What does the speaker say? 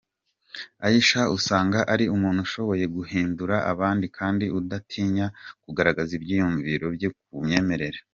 Aisha usanga ari umuntu ushoboye uhindura abandi kandi utadinya kugaragaza ibyiyumviro bye ku myemerere.